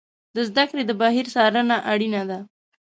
د زده کړې د بهیر څارنه اړینه ده.